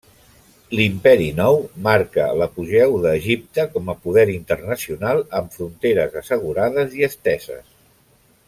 L'Imperi nou marca l'apogeu d'Egipte com a poder internacional amb fronteres assegurades i esteses.